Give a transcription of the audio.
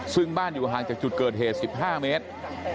ซึ่งบ้านอยู่ห่างจากจุดเกิดเหตุ๑๕เมตร